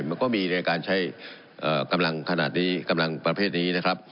มันก็มีในการใช้กำลังขนาดนี้กำลังประเภทนี้นะครับ